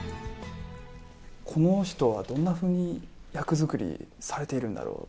この人はどんなふうに役作りされているんだろう。